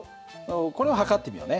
これを測ってみようね。